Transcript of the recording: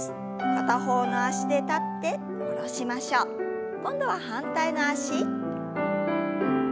片方の脚で立って下ろしましょう。今度は反対の脚。